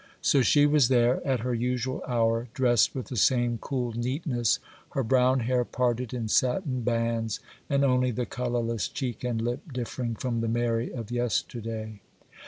So she was there, at her usual hour, dressed with the same cool neatness, her brown hair parted in satin bands, and only the colourless cheek and lip differing from the Mary of yesterday.